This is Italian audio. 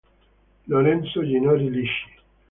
Lorenzo Ginori Lisci